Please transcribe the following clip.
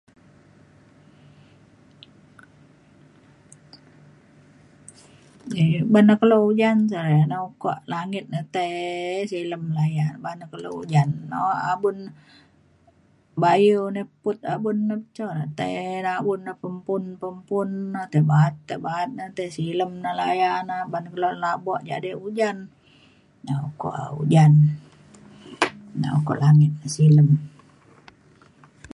Ban na kelo ujan se re na ukok langit na tai silem layan ban na kelo ujan a- abun bayu leput abun je jok re tai laun na mempun mempun na tai ba’at tai ba’at na tai silem na baya na ban na kelo labuk jadi ujan na ukok ujan na ukok langit na silem